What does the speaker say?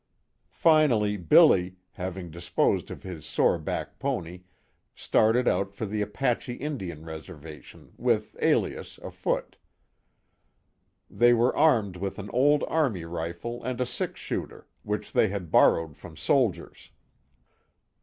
Finally Billy, having disposed of his sore back pony, started out for the Apache Indian Reservation, with "Alias," afoot. They were armed with an old army rifle and a six shooter, which they had borrowed from soldiers.